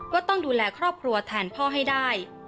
ก็ต้องดูแลครอบครัวแทนพ่อให้ได้